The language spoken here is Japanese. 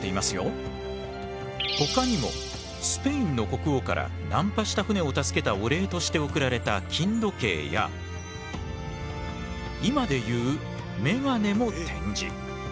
ほかにもスペインの国王から難破した船を助けたお礼として贈られた金時計や今でいうめがねも展示。